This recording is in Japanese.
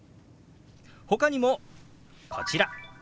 ほかにもこちら。